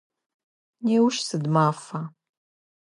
Неущ сыд мафа?